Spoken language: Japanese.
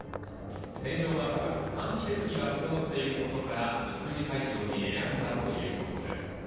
天井が高く、換気設備が整っていることから、食事会場に選んだということです。